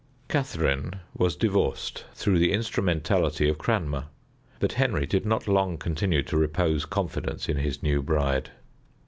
Catharine was divorced through the instrumentality of Cranmer, but Henry did not long continue to repose confidence in his new bride.